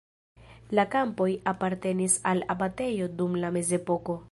La kampoj apartenis al abatejo dum la mezepoko.